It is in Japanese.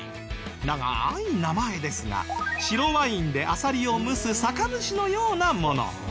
長い名前ですが白ワインでアサリを蒸す酒蒸しのようなもの。